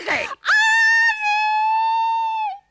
あれ！